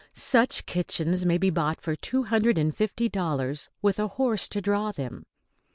Such kitchens may be bought for two hundred and fifty dollars, with a horse to draw them.